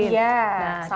iya sama gitu ya